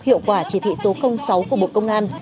hiệu quả chỉ thị số sáu của bộ công an